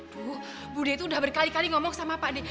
bu de itu udah berkali kali ngomong sama pak de